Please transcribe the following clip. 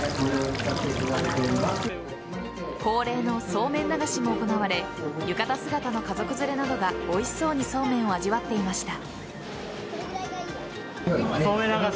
恒例のそうめん流しも行われ浴衣姿の家族連れなどがおいしそうにそうめんを味わっていました。